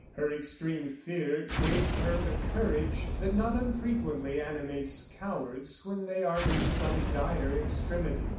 Her extreme fear gave her the courage that not unfrequently animates cowards when they are in some dire extremity.